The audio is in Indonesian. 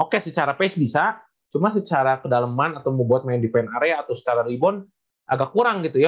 oke secara pace bisa cuma secara kedalaman atau membuat main di plan area atau secara rebound agak kurang gitu ya